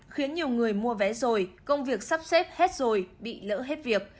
khiến nhiều người mua vé rồi công việc sắp xếp hết rồi bị lỡ hết việc